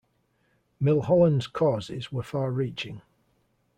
Milholland's causes were far reaching.